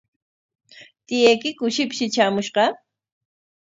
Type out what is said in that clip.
¿Tiyaykiku shipshi traamushqa?